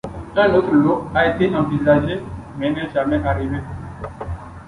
Un autre lot a été envisagé, mais n'est jamais arrivé.